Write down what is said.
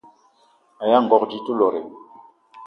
Aya ngogo dze te lot?